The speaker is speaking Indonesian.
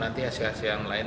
nanti hasil hasil yang lain